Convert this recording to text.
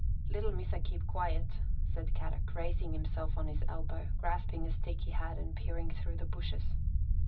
" Little Missa keep quiet," said Kadok, rais ing himself on his elbow, grasping a stick he had and peering through the bushes.